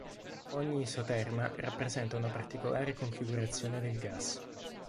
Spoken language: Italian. Ogni isoterma rappresenta una particolare configurazione del gas.